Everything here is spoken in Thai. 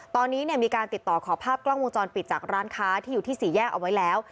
ตอนนี้มีการติดต่อขอภาพกล้องวงจรปิดจากร้านค้าที่อยู่ที่สี่แยกเอาไว้แล้ว